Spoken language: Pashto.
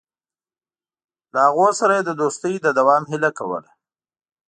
له هغوی سره یې د دوستۍ د دوام هیله کوله.